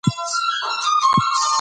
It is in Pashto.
مېلې خلک د خپل تاریخ او هویت سره مښلوي.